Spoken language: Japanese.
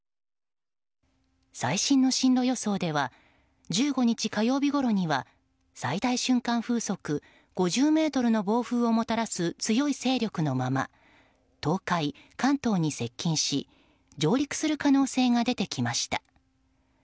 最新の進路予想では１５日火曜日ごろには最大瞬間風速５０メートルの暴風をもたらす強い勢力のまま東海・関東に接近し上陸する可能性が出てきました。